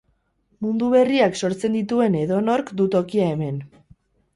Mundu berriak sortzen dituen edonork du tokia hemen.